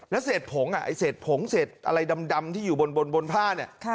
และเศษผงเศษอะไรดำที่อยู่บนผ้า